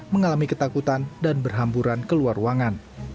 mengalami ketakutan dan berhamburan keluar ruangan